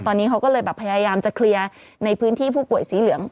ตอนนี้เขาก็เลยแบบพยายามจะเคลียร์ในพื้นที่ผู้ป่วยสีเหลือง